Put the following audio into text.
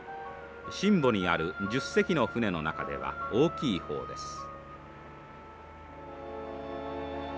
新保にある１０隻の船の中では大きい方です。